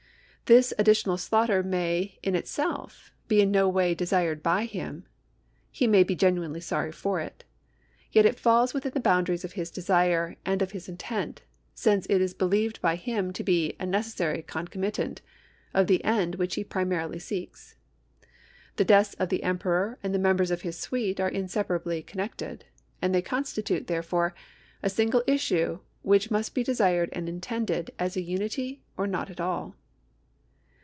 This additional slaughter may in itself be in no way desired by him ; he may be genuinely sorry for it ; yet it falls within the boundaries of his desire and of his intent, since it is believed by him to be a necessary concomitant of the end which he primarily seeks. The deaths of the emperor and of the members of his suite are inseparably con nected, and they constitute, therefore, a single issue which must be desired and intended as a unity or not at all.